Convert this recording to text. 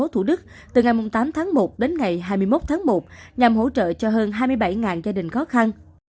thủ đức từ ngày tám tháng một đến ngày hai mươi một tháng một nhằm hỗ trợ cho hơn hai mươi bảy gia đình khó khăn